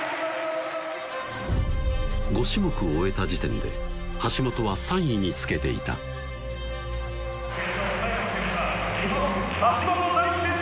５種目を終えた時点で橋本は３位につけていた日本橋本大輝選手！